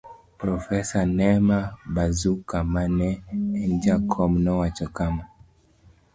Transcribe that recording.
Profesa Nema Bazuka ma ne en jakom nowacho kama